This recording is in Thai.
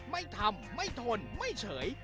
ไม่ทำไม่ทนไม่เฉย